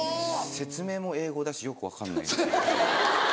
説明も英語だしよく分かんない。